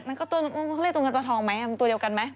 มันก็ตัวเขาเรียกตัวเงินตัวทองไหมตัวเดียวกันไหม